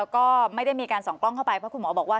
ก็ไม่ได้มีการส่องกล้องเข้าไปเพราะคุณหมอบอกว่า